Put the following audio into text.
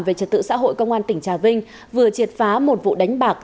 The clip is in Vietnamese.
về trật tự xã hội công an tỉnh trà vinh vừa triệt phá một vụ đánh bạc